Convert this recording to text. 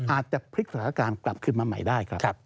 อาจจะพลิกสถานการณ์กลับขึ้นมาใหม่ได้ครับ